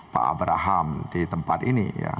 pak abraham di tempat ini